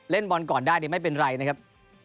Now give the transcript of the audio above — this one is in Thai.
บอลก่อนได้ไม่เป็นไรนะครับ